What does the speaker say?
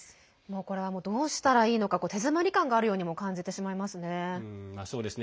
これは、どうしたらいいのか手詰まり感があるようにも感じてしまいますね。